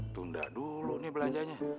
tunda dulu nih belanjanya